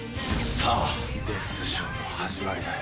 さぁデスショーの始まりだよ。